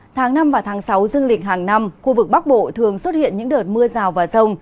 tháng năm và tháng sáu dương lịch hàng năm khu vực bắc bộ thường xuất hiện những đợt mưa rào và rông